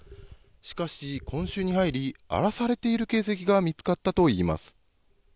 しかし、今週に入り、荒らされている形跡が見つかったといいます。